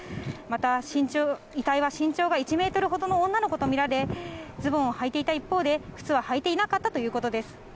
また、遺体は身長１メートルほどの女の子と見られ、ズボンをはいていた一方で、靴は履いていなかったということです。